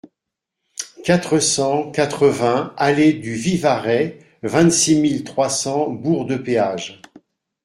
quatre cent quatre-vingts allée du Vivarais, vingt-six mille trois cents Bourg-de-Péage